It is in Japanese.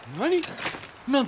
何！？